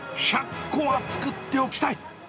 １００個は作っておきたい。